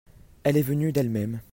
Elle est venue d'elle-même.